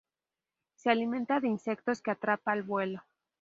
Se alimenta de insectos que atrapa al vuelo.